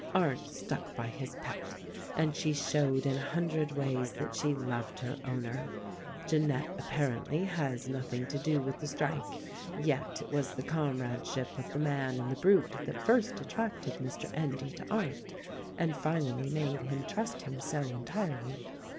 Arndt stuck by his pet, and she showed in a hun dred ways that she loved her owner. Jeanette apparently has nothing to do with the strike ; yet it was the comrade ship of the man and the brute that first attracted Mr. Endy to Arndt and finally made him trust him so entirely.